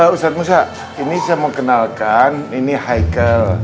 ustadz musa ini saya mengkenalkan ini haikel